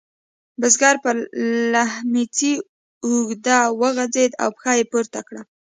بزګر پر لیهمڅي اوږد وغځېد او پښه یې پورته کړه.